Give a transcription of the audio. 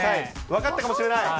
分かったかもしれない。